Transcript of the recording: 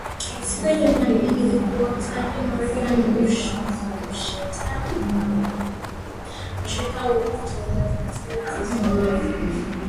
siku ya Jumanne akiitaja Marekani mshirika wa kutegemewa katika azma yetu ya